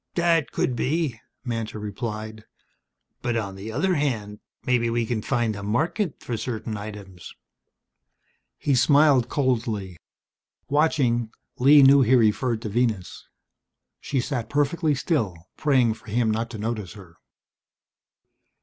"That could be," Mantor replied. "But on the other hand, maybe we can find a market for certain items." He smiled coldly. Watching, Lee knew he referred to Venus. She sat perfectly still, praying for him not to notice her.